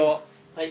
はい。